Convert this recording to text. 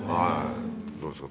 どうですか？